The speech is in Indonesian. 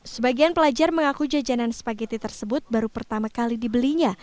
sebagian pelajar mengaku jajanan spageti tersebut baru pertama kali dibelinya